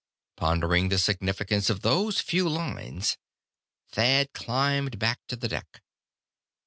Pondering the significance of those few lines, Thad climbed back to the deck.